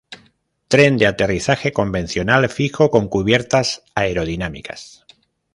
Tren de aterrizaje convencional fijo con cubiertas aerodinámicas.